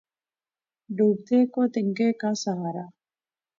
ڈیںبتیں کیں تنکیں کا سہارا